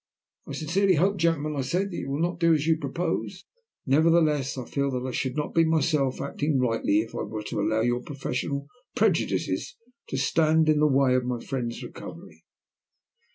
"I sincerely hope, gentlemen," I said, "that you will not do as you propose. Nevertheless, I feel that I should not be myself acting rightly if I were to allow your professional prejudices to stand in the way of my friend's recovery."